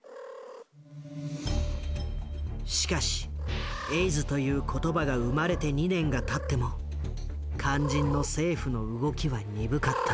しかしエイズという言葉が生まれて２年がたっても肝心の政府の動きは鈍かった。